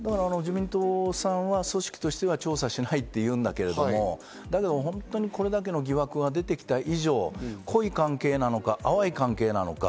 自民党さんは組織としては調査しないというんだけれども、本当にこれだけの疑惑が出てきた以上、濃い関係なのか、淡い関係なのか。